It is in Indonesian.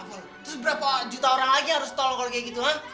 apa lo terus berapa juta orang lagi harus tolong kalau kayak gitu ha